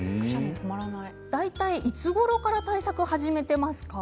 大体いつごろから対策を始めていますか？